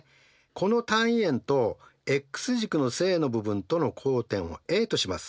この単位円とｘ軸の正の部分との交点をＡとします。